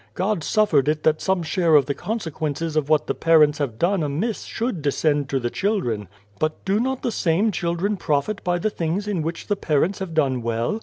God suffered it that some share of the consequences of what the parents have done amiss should descend to the children. " But do not the same children profit by the things in which the parents have done well